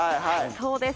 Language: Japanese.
そうです。